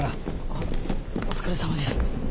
あっお疲れさまです。